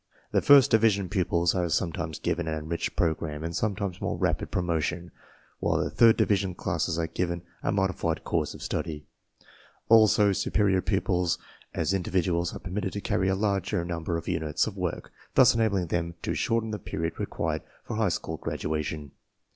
The first division pupils are sometimes given an enrich^'program " and sometimes more rapid pro motion, whi le the third division classes are given a mod ified jxmr ^ pf study . ATsorsuperjor pupils as iridivid "uals arejsermitted i& carry a larger number of units of work , thus enabling them to shorten the period required for high school graduation.